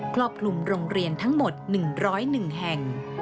ครอบคลุมโรงเรียนทั้งหมด๑๐๑แห่ง